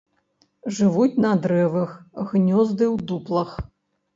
Жывуць на дрэвах, гнёзды ў дуплах.